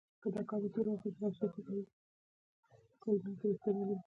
د هغوى له سترګو اوښكې روانې سوې.